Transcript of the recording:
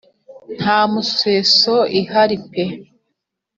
nta museso ihari pe